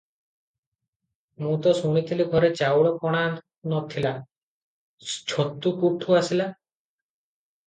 ମୁଁ ତ ଶୁଣିଥିଲି ଘରେ ଚାଉଳ କଣା ନ ଥିଲା- ଛତୁ କୁଠୁ ଅଇଲା?